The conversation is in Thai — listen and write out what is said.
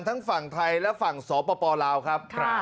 ทั้งฝั่งไทยและฝั่งสปลาวครับ